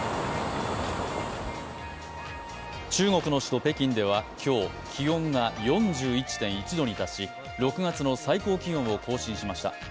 中国の首都・北京では今日気温が４１．１度に達し６月の最高気温を更新しました。